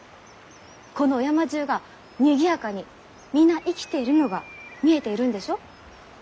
このお山じゅうがにぎやかに皆生きているのが見えているんでしょ？